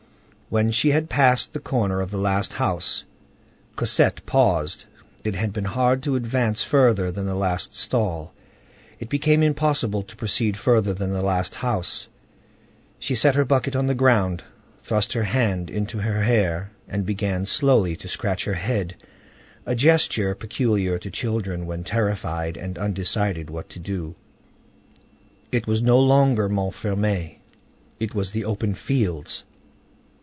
When she had passed the corner of the last house, Cosette paused. It had been hard to advance further than the last stall; it became impossible to proceed further than the last house. She set her bucket on the ground, thrust her hand into her hair, and began slowly to scratch her head,—a gesture peculiar to children when terrified and undecided what to do. It was no longer Montfermeil; it was the open fields.